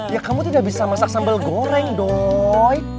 ya kamu tidak bisa masak sambal goreng dong